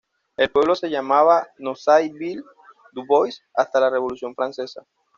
El pueblo se llamaba Nozay-Ville du Bois, hasta la revolución francesa.